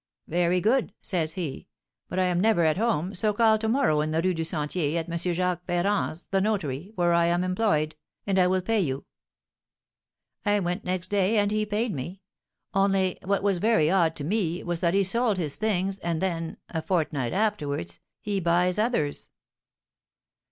'Very good,' says he; 'but I am never at home, so call to morrow in the Rue du Sentier, at M. Jacques Ferrand's, the notary, where I am employed, and I will pay you.' I went next day, and he paid me; only, what was very odd to me was that he sold his things, and then, a fortnight afterwards, he buys others."